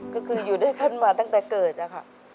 ก็คืออยู่ด้วยกันมาตั้งแต่เกิดอะค่ะ